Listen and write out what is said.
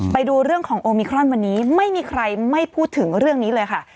ไปดูเรื่องของโอมิครอนวันนี้ไม่มีใครไม่พูดถึงเรื่องนี้เลยค่ะ